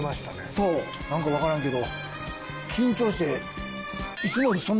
そう何か分からんけど。